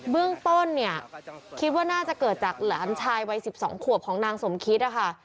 เบื้องต้นเนี่ยคิดว่าน่าจะเกิดจากหลานชายวัย๑๒ขวบของนางสมคิดนะคะ